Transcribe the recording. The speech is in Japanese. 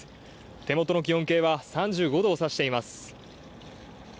手元の気温計は３５度を指しています。